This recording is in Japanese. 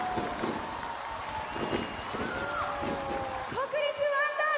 国立ワンダー